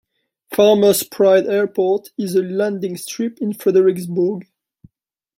Farmers Pride Airport is a landing strip in Fredericksburg.